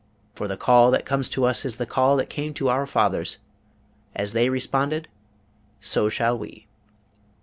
| For the call that comes to us is the call that came to our fathers. | As they responded, so shall we.